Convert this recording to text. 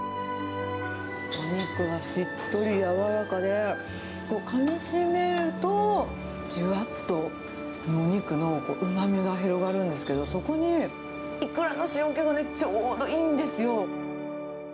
お肉がしっとり柔らかで、かみしめると、じゅわっとお肉のうまみが広がるんですけど、そこにイクラの塩気がちょうどいいんですよ。